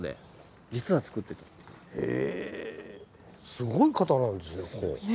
すごい方なんですね